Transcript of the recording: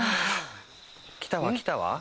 「来たわ来たわ」？